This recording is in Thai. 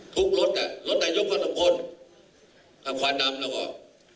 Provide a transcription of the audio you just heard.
ทุกรถอ่ะรถนายกก็สำคมทำควันดำแล้วก่อน